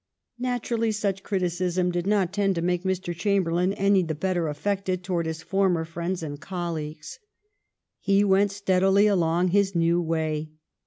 '' Naturally such criticism did not tend to make Mr. Chamberlain any the better affected toward his former friends and colleagues. He went steadily along his new way.